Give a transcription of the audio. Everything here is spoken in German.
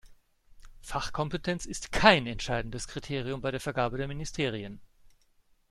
Fachkompetenz ist kein entscheidendes Kriterium bei der Vergabe der Ministerien.